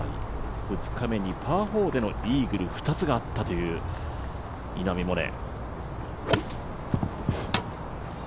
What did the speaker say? ２日目パー４のイーグルが２つあったという稲見萌寧。